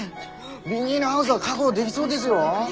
ビニールハウスは確保でぎそうですよ？